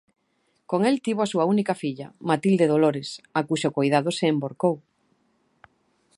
Con el tivo á súa única filla: Matilde Dolores, a cuxo coidado se envorcou.